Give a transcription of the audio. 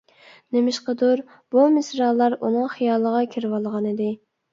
نېمىشقىدۇر بۇ مىسرالار ئۇنىڭ خىيالىغا كىرىۋالغانىدى.